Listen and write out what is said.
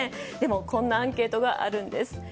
でも、こんなアンケートがあるんです。